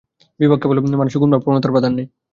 বিভাগ কেবল মানুষের গুণ বা প্রবণতার প্রাধান্যে।